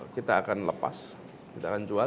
kita akan lepas kita akan jual